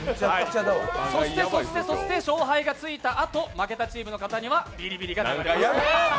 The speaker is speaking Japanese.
そして勝敗がついたあと負けたチームの方にはビリビリが流れます。